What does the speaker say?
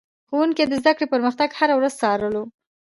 ښوونکي د زده کړې پرمختګ هره ورځ څارلو.